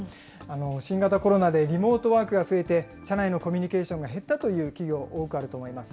新型コロナでリモートワークが増えて、社内のコミュニケーションが減ったという企業、多くあると思います。